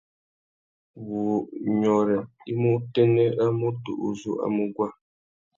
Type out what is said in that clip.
Wunyôrê i mú utênê râ mutu u zú a mú guá.